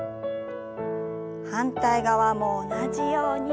反対側も同じように。